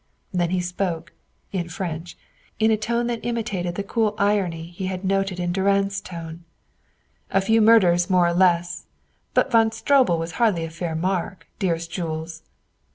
Then he spoke in French in a tone that imitated the cool irony he had noted in Durand's tone: "A few murders more or less! But Von Stroebel was hardly a fair mark, dearest Jules!"